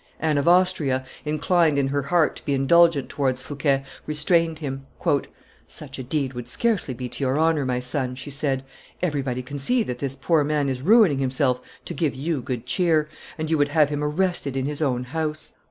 Anne of Austria, inclined in her heart to be indulgent towards Fouquet, restrained him. "Such a deed would scarcely be to your honor, my son," she said; "everybody can see that this poor man is ruining himself to give you good cheer, and you would have him arrested in his own house!"